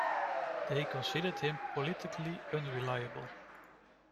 They considered him politically unreliable.